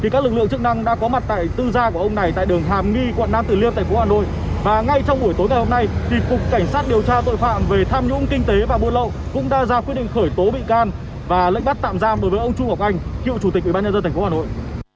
cảm ơn các bạn đã theo dõi và hẹn gặp lại